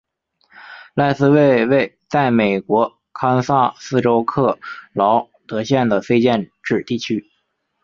赖斯为位在美国堪萨斯州克劳德县的非建制地区。